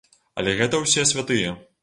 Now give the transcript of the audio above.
Але гэта ўсе святыя.